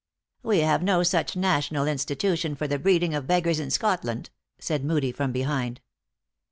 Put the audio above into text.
" We have no such national institution for the breed ing of beggars in Scotland," said Hoodie, from behind.